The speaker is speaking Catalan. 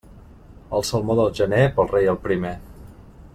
El salmó del gener, pel rei el primer.